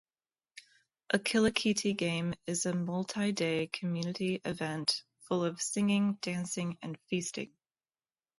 A kilikiti game is a multi-day community event full of singing, dancing, and feasting.